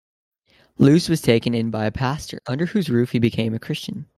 Luce was taken in by a pastor, under whose roof he became a Christian.